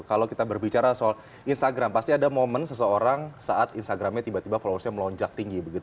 kalau kita berbicara soal instagram pasti ada momen seseorang saat instagramnya tiba tiba followersnya melonjak tinggi